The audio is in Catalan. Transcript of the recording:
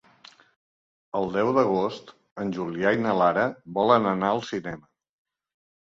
El deu d'agost en Julià i na Lara volen anar al cinema.